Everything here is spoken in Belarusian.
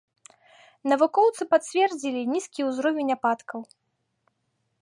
Навукоўцы пацвердзілі нізкі ўзровень ападкаў.